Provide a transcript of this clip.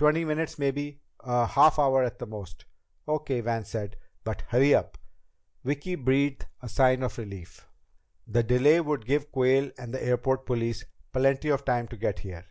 "Twenty minutes maybe. A half hour at the most." "Okay," Van said. "But hurry it up." Vicki breathed a deep sigh of relief. The delay would give Quayle and the airport police plenty of time to get here!